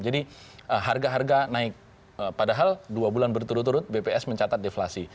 jadi harga harga naik padahal dua bulan berturut turut bps mencatat deflasi